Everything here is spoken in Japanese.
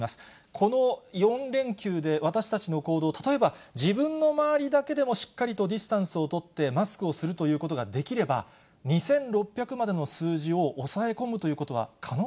この４連休で、私たちの行動、例えば、自分の周りだけでも、しっかりとディスタンスを取って、マスクをするということができれば、２６００までの数字を抑え込